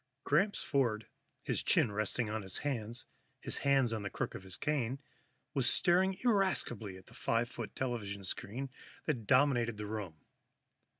_ Gramps Ford, his chin resting on his hands, his hands on the crook of his cane, was staring irascibly at the five foot television screen that dominated the room.